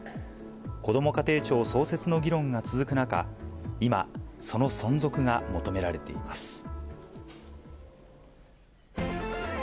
こども家庭庁創設の議論が続く中、今、その存続が求められています。